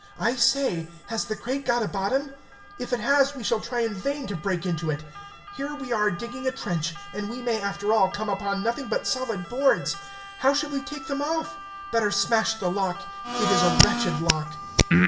"I say, has the crate got a bottom? If it has we shall try in vain to break into it. Here we are digging a trench, and we may, after all, come upon nothing but solid boards. How shall we take them off? Better smash the lock; it is a wretched lock."